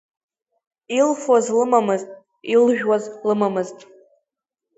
Илфоз лымамызт, илжәуаз лымамызт.